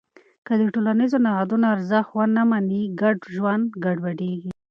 که د ټولنیزو نهادونو ارزښت ونه منې، ګډ ژوند ګډوډېږي.